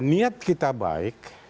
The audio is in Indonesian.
niat kita baik